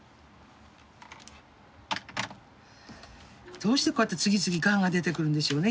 どうしてこうやって次々がんが出てくるんでしょうね